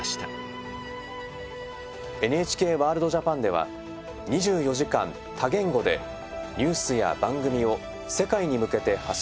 「ＮＨＫワールドＪＡＰＡＮ」では２４時間多言語でニュースや番組を世界に向けて発信しています。